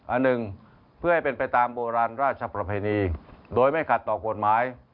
อันหนึ่งเพื่อให้เป็นไปตามโบราณราชประเพณีโดยไม่ขัดต่อกฎหมาย